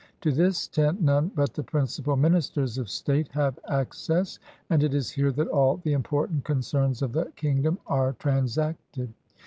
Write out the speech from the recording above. To this tent none but the principal ministers of state have access, and it is here that all the important concerns of the kingdom are transacted.